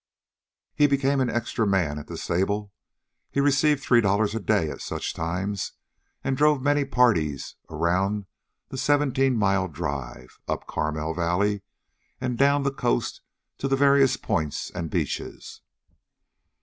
He became an extra man at the stable. He received three dollars a day at such times, and drove many parties around the Seventeen Mile Drive, up Carmel Valley, and down the coast to the various points and beaches.